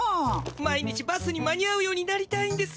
毎日バスに間に合うようになりたいんです。